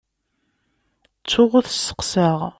Ttuɣ ur t-sseqsaɣ.